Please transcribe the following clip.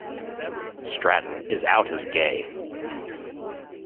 Stratton is out as gay.